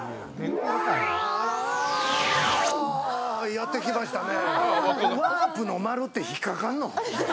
やってきましたね。